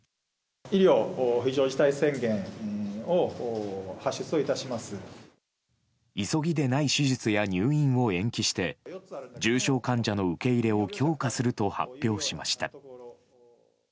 医療非常事態宣言を発出をい急ぎでない手術や入院を延期して、重症患者の受け入れを強化すると発表しました。